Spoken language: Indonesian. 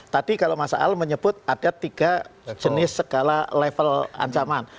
tadi kalau mas al menyebut ada tiga jenis segala level ancaman